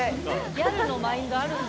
ギャルのマインドあるんだ。